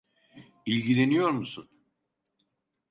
İlgileniyor musun?